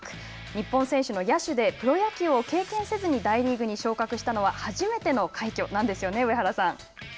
日本選手の野手でプロ野球を経験せずに大リーグに昇格したのは初めての快挙なんですよね